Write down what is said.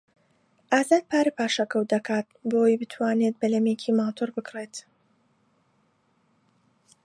ئازاد پارە پاشەکەوت دەکات بۆ ئەوەی بتوانێت بەلەمێکی ماتۆڕ بکڕێت.